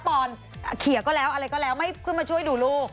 ปรดเขยาก็แล้วอะไรก็แล้วไม่มาช่วยดูรู